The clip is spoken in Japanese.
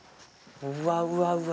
うわうわうわ。